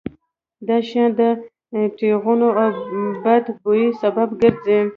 دا شیان د ټېغونو او بد بوی سبب ګرځي.